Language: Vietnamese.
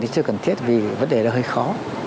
chưa cần thiết vì vấn đề đó hơi khó